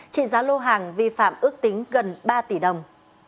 trị giá lô hàng vi phạm ước tính gần ba tỷ đồng